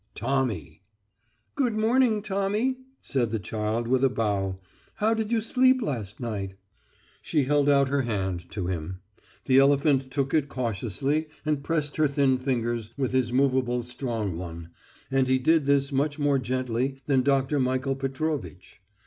"Tommy." "Good morning, Tommy," said the child, with a bow. "How did you sleep last night?" She held out her hand to him. The elephant took it cautiously and pressed her thin fingers with his movable strong one, and he did this much more gently than Dr. Michael Petrovitch.